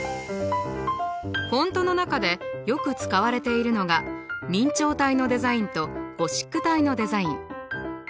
フォントの中でよく使われているのが明朝体のデザインとゴシック体のデザイン。